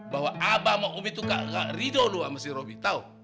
bahwa abah sama umi tuh gak ridho lu sama si robi tau